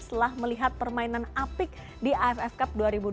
setelah melihat permainan apik di aff cup dua ribu dua puluh